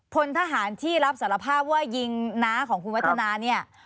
พลทหารที่รับสารภาพว่ายิงน้าของคุณวัฒนาเนี่ย